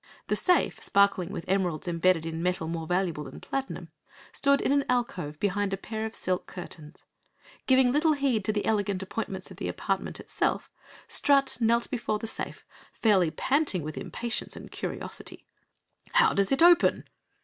The safe, sparkling with emeralds imbedded in metal more valuable than platinum, stood in an alcove behind a pair of silk curtains. Giving little heed to the elegant appointments of the apartment itself, Strut knelt before the safe, fairly panting with impatience and curiosity. "How does it open?"